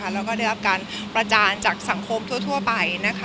แล้วก็ได้รับการประจานจากสังคมทั่วไป